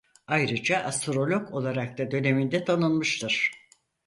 Ayrıca Astrolog olarak da döneminde tanınmıştır.